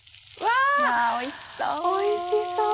あっおいしそう！